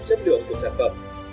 chất lượng của sản phẩm